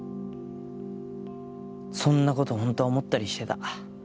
そんなことホントは思ったりしてた。